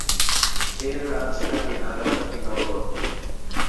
এর রাজধানী নাগাসাকি নগর।